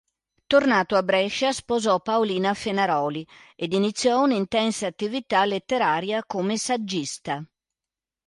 Tornato a Brescia, sposò Paolina Fenaroli ed iniziò un'intensa attività letteraria come saggista.